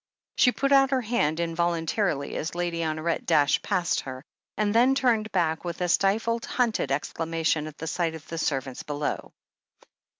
She put out her hand involuntarily as Lady Honoret dashed past her, and then turned back with a stifled, hunted exclamation at the sight of the servants below.